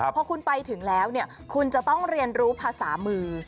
พอคุณไปถึงแล้วคุณจะต้องเรียนรู้ภาษามือ